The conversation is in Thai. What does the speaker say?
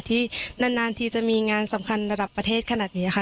ที่นานทีจะมีงานสำคัญระดับประเทศขนาดนี้ค่ะ